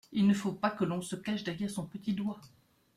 Il ne faut pas que l’on se cache derrière son petit doigt.